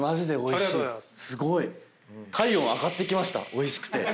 おいしくて。